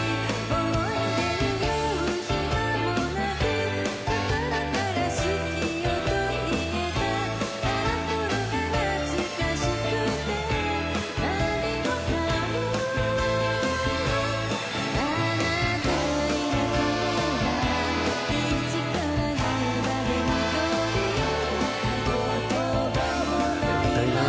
すごいな」